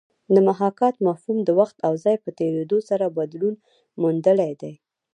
د محاکات مفهوم د وخت او ځای په تېرېدو سره بدلون موندلی دی